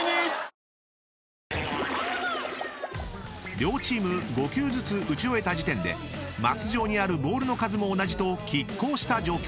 ［両チーム５球ずつ打ち終えた時点でマス上にあるボールの数も同じと拮抗した状況］